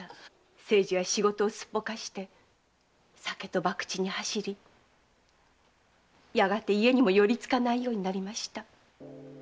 清次は仕事をすっぽかして酒と博打に走りやがて家にも寄り付かないようになりました。